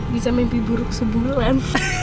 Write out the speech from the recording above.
bisa mimpi buruk sebulan